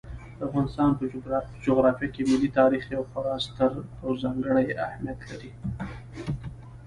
د افغانستان په جغرافیه کې ملي تاریخ یو خورا ستر او ځانګړی اهمیت لري.